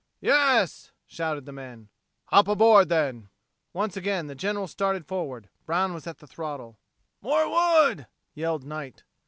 "Yes!" shouted the men. "Hop aboard then!" Once again the General started forward. Brown was at the throttle. "More wood!" yelled Knight.